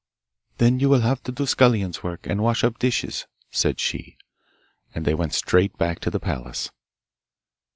'Then you will have to do scullion's work, and wash up dishes,' said she; and they went straight back to the palace.